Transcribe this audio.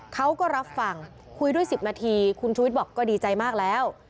เขาก็รับฟังคุยด้วย๑๐นาทีคุณชุวิตบอกก็ดีใจมากแล้ว